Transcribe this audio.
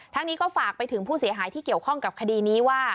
นี้ก็ฝากไปถึงผู้เสียหายที่เกี่ยวข้องกับคดีนี้ว่า